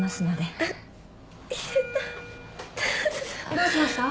どうしました？